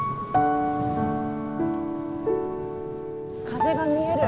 風が見える。